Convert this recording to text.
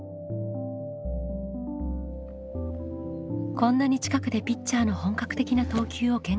こんなに近くでピッチャーの本格的な投球を見学したみ